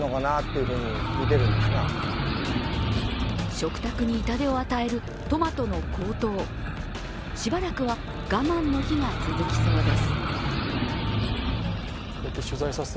食卓に痛手を与えるトマトの高騰しばらくは我慢の日が続きそうです。